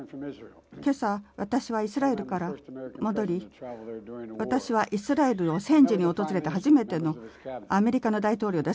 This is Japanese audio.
今朝、私はイスラエルから戻り私はイスラエルを戦時に訪れた初めてのアメリカの大統領です。